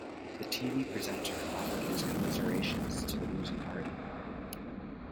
The Tv presenter offered his commiserations to the losing party.